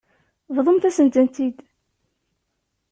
Bḍumt-asent-tent-id.